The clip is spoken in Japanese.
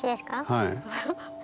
はい。